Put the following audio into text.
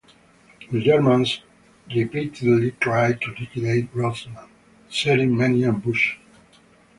The Germans repeatedly tried to liquidate Rozman, setting many ambushes.